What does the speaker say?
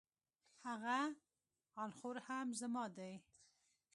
هغه انخورهم زما دی